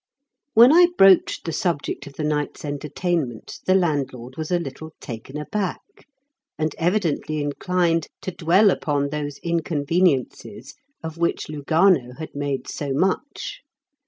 When I broached the subject of the night's entertainment the landlord was a little taken aback, and evidently inclined to dwell upon those inconveniences of which Lugano had made so much.